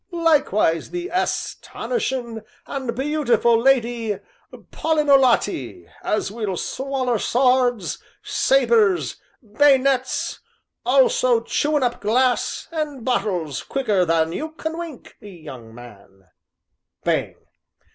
"Likewise the ass tonishin' and beautiful Lady Paulinolotti, as will swaller swords, sabres, bay'nets, also chewin' up glass, and bottles quicker than you can wink [young man]." (Bang!)